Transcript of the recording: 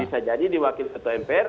bisa jadi diwakil ketua mpr